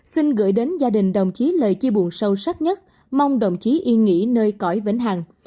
xin gửi đến gia đình đồng chí lời chia buồn sâu sắc nhất mong đồng chí yên nghỉ nơi cõi vĩnh hằng